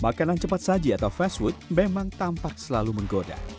makanan cepat saji atau fast food memang tampak selalu menggoda